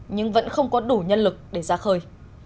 nhưng vẫn không có đủ nhân lực để ra khơi